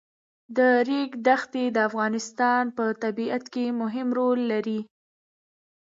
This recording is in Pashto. د ریګ دښتې د افغانستان په طبیعت کې مهم رول لري.